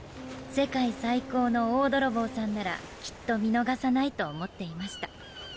世界最高の大泥棒さんならきっと見逃さないと思っていました。